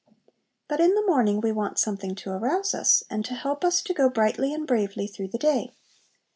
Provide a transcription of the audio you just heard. But in the morning we want something to arouse us, and to help us to go brightly and bravely through the day.